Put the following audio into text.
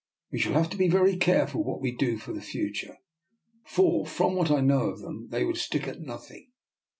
We shall have to be very care ful what we do for the future; for from what I know of them, they would stick at nothing.